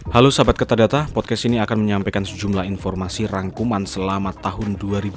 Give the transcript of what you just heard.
halo sahabat kata podcast ini akan menyampaikan sejumlah informasi rangkuman selama tahun dua ribu dua puluh